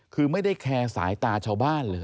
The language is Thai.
คือไม่ได้แคร์สายตาชาวบ้านเลย